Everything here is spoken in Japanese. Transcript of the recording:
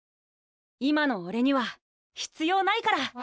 今のおれには必要ないから。